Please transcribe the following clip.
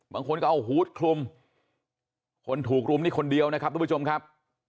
บางคนก็เอาฮูตคลุมคนถูกรุมนี่คนเดียวนะครับทุกผู้ชมครับ